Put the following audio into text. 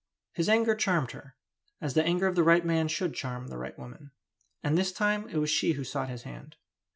His anger charmed her, as the anger of the right man should charm the right woman. And this time it was she who sought his hand.